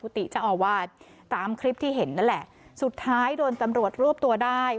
ติเจ้าอาวาสตามคลิปที่เห็นนั่นแหละสุดท้ายโดนตำรวจรวบตัวได้